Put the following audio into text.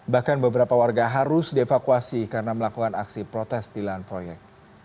bahkan beberapa warga harus dievakuasi karena melakukan aksi protes di lahan proyek